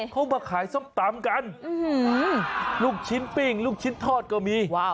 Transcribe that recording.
เขามาขายส้มตำกันลูกชิ้นปิ้งลูกชิ้นทอดก็มีว้าว